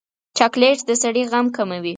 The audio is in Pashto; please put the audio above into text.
چاکلېټ د سړي غم کموي.